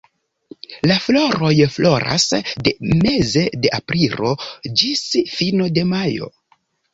La floroj floras de meze de aprilo ĝis fino de majo.